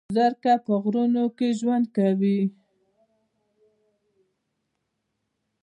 زرکه په غرونو کې ژوند کوي